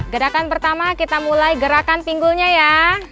gerakan pertama kita mulai gerakan pinggulnya ya